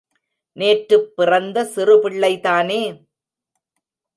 நேற்றுப் பிறந்த சிறுபிள்ளை தானே?